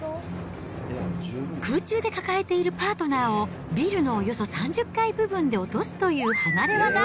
空中で抱えているパートナーを、ビルのおよそ３０階部分で落とすという離れ業。